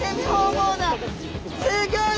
すギョい！